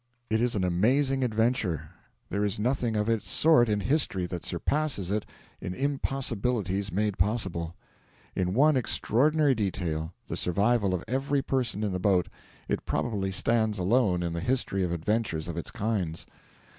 It is an amazing adventure. There is nothing of its sort in history that surpasses it in impossibilities made possible. In one extraordinary detail the survival of every person in the boat it probably stands alone in the history of adventures of its kinds.